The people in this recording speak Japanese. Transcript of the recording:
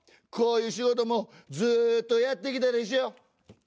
こういう仕事もずっとやってきたでしょ？